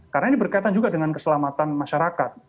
karena ini berkaitan juga dengan keselamatan masyarakat